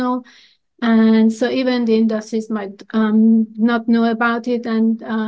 dan bahkan industri mungkin tidak tahu tentangnya